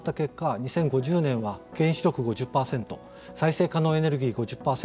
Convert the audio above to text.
２０５０年は原子力５０％再生可能エネルギー５０％